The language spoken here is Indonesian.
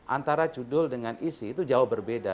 antara judul dengan isi itu jauh berbeda